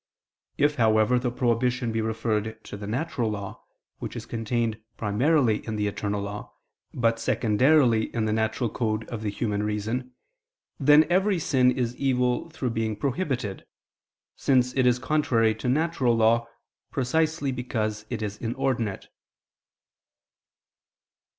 If, however, the prohibition be referred to the natural law, which is contained primarily in the eternal law, but secondarily in the natural code of the human reason, then every sin is evil through being prohibited: since it is contrary to natural law, precisely because it is inordinate.